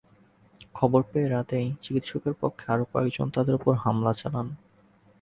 খবর পেয়ে রাতেই চিকিৎসকের পক্ষে আরও কয়েকজন তাঁদের ওপর হামলা চালান।